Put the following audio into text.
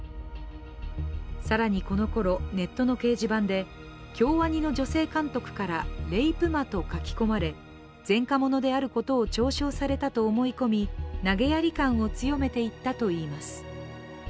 更にこのころ、ネットの掲示板で京アニの女性監督からレイプ魔と書き込まれ前科者であることを嘲笑されたと思い込み投げやり感を強めていったといいます。